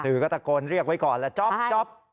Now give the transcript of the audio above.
สื่อก็ตะโกนเรียกไว้ก่อนแล้วจ๊อปจ๊อป